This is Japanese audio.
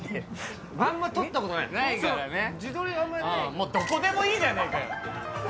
もうどこでもいいじゃねえかよ